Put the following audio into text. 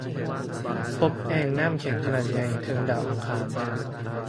ພົບແອ່ງນໍ້າແຂງຂະໜາດໃຫຍ່ເທິງດາວອັງຄານ